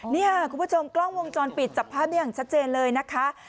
นี่ค่ะคุณผู้ชมกล้องวงจรปิดจับภาพได้อย่างชัดเจนเลยนะคะ